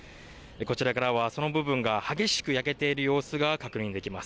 こちらからはその部分が激しく焼けている様子が確認できます。